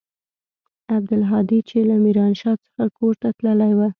عبدالهادي چې له ميرانشاه څخه کور ته تللى و.